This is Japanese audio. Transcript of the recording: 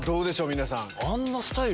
皆さん。